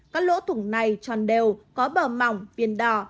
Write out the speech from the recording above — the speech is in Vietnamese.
các lỗ thủng này tròn đều có bờ mỏng viên đỏ